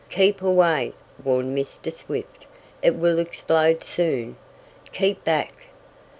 "Keep away!" warned Mr. Swift. "It will explode soon. Keep back!"